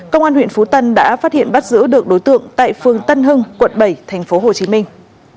công an huyện phú tân đã phát hiện bắt giữ được đối tượng tại phương tân hưng quận bảy thành phố hồ chí minh